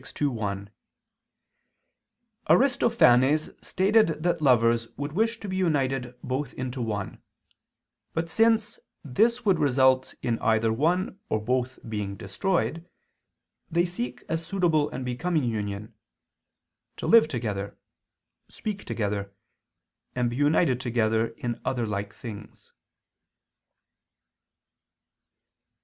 ii, 1), "Aristophanes stated that lovers would wish to be united both into one," but since "this would result in either one or both being destroyed," they seek a suitable and becoming union to live together, speak together, and be united together in other like things.